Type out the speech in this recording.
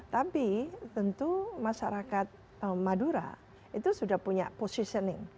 tapi tentu masyarakat madura itu sudah punya positioning